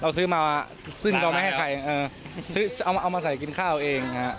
เราซื้อมาซึ่งก็ไม่ให้ใครเอามาใส่กินข้าวเอง